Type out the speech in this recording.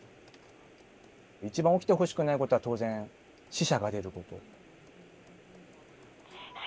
一番起きてほしくないことは当然死者が出ること。